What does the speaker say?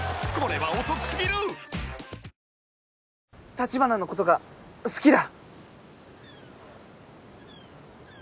橘のことが好きだ！